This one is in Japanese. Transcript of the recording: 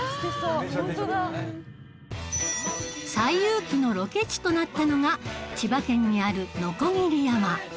『西遊記』のロケ地となったのが千葉県にある鋸山